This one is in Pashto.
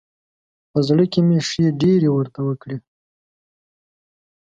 په زړه کې مې ښې ډېرې ورته وکړې.